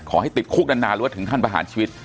ขอให้ติดคุกนานรวดถึงขั้นประหารชีวิต